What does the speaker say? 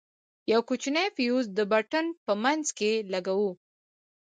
يو کوچنى فيوز د پټن په منځ کښې لگوو.